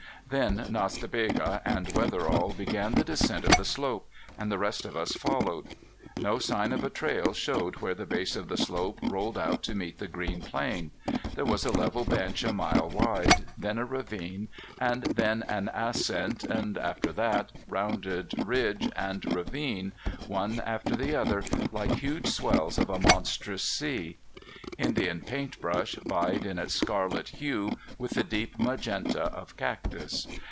Then Nas ta Bega and Wetherill began the descent of the slope, and the rest of us followed. No sign of a trail showed where the base of the slope rolled out to meet the green plain. There was a level bench a mile wide, then a ravine, and then an ascent, and after that, rounded ridge and ravine, one after the other, like huge swells of a monstrous sea. Indian paint brush vied in its scarlet hue with the deep magenta of cactus.